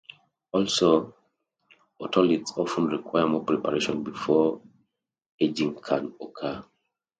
Also, otoliths often require more preparation before ageing can occur.